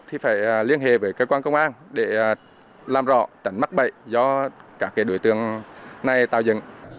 thì phải liên hệ với cơ quan công an để làm rõ tránh mắc bậy do các đối tượng này tạo dựng